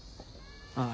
ああ。